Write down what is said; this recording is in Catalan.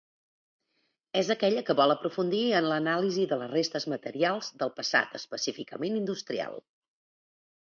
És aquella que vol aprofundir en l'anàlisi de les restes materials del passat específicament industrial.